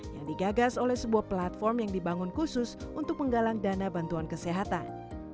yang digagas oleh sebuah platform yang dibangun khusus untuk menggalang dana bantuan kesehatan